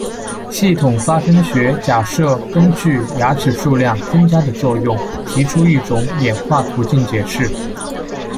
系统发生学假设根据牙齿数量增加的作用提出一种演化途径解释。